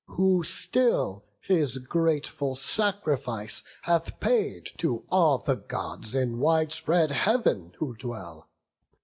Who still his grateful sacrifice hath paid To all the Gods in wide spread Heav'n who dwell.